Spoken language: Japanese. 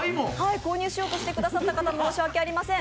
購入しようとしてくださった方、申し訳ございません。